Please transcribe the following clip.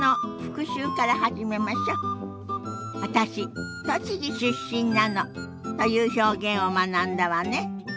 「私栃木出身なの」という表現を学んだわね。